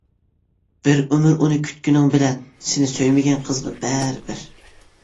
بىر ئۆمۈر ئۇنى كۈتكىنىڭ بىلەن، سېنى سۆيمىگەن قىزغا بەرىبىر.